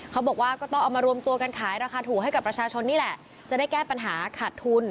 เขาบอกว่าก็ต้องเอามารวมตัวกันขายราคาถูกให้กับประชาชนนี่แหละจะได้แก้ปัญหาขาดทุน